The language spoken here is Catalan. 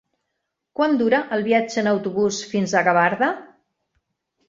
Quant dura el viatge en autobús fins a Gavarda?